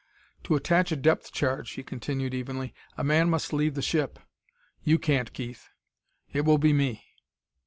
"To attach a depth charge," he continued evenly, "a man must leave the ship. You can't, Keith. It will be me."